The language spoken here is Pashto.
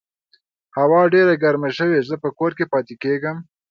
هوا ډېره ګرمه شوې، زه په کور کې پاتې کیږم